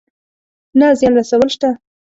نه زيان رسول شته.